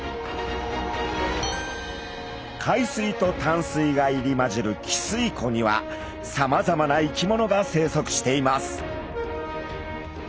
海水と淡水が入り混じる汽水湖にはさまざまな生き物が生息しています。